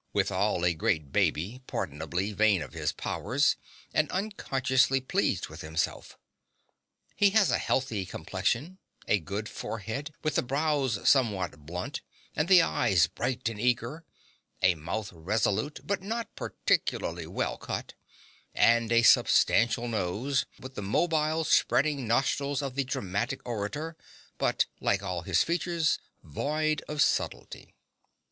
Withal, a great baby, pardonably vain of his powers and unconsciously pleased with himself. He has a healthy complexion, a good forehead, with the brows somewhat blunt, and the eyes bright and eager, a mouth resolute, but not particularly well cut, and a substantial nose, with the mobile, spreading nostrils of the dramatic orator, but, like all his features, void of subtlety.